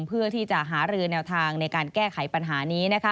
เพื่อที่จะหารือแนวทางในการแก้ไขปัญหานี้นะคะ